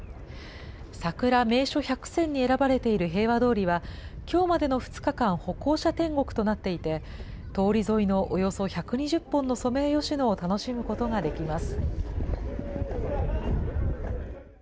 さくら名所１００選に選ばれている平和通りは、きょうまでの２日間、歩行者天国となっていて、通り沿いのおよそ１２０本のソメイヨシノを楽しむことができます。